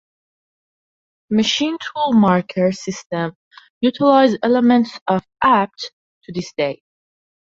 Machine tool makers systems utilize elements of Apt to this day.